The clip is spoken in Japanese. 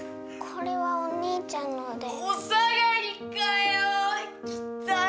これはお兄ちゃんので